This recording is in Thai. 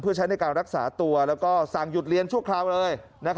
เพื่อใช้ในการรักษาตัวแล้วก็สั่งหยุดเรียนชั่วคราวเลย